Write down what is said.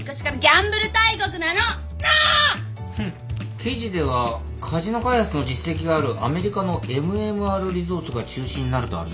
記事ではカジノ開発の実績があるアメリカのＭＭＲリゾーツが中心になるとあるね。